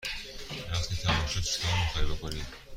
وقتی تمام شد چکار می خواهی بکنی؟